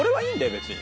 別に。